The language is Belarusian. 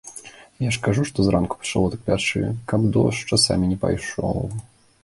Я ж кажу, што зранку пачало так пячы, каб дождж, часамі, не пайшоў.